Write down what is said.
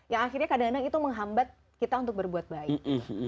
yang akhirnya kadang kadang itu menghambat kita untuk berbuat baik